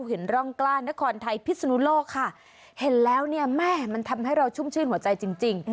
เห็นร่องกล้านครไทยพิศนุโลกค่ะเห็นแล้วเนี่ยแม่มันทำให้เราชุ่มชื่นหัวใจจริงจริง